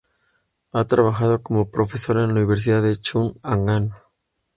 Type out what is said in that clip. Ha trabajado como profesor en la Universidad Chung-Ang.